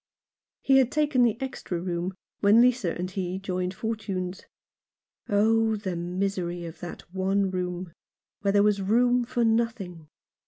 He had taken the extra room when Lisa and he joined fortunes. Oh, the misery of that one room, where there was room for nothing